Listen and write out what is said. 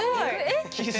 えっ⁉